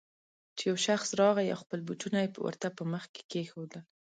چې يو شخص راغی او خپل بوټونه يې ورته په مخ کې کېښودل.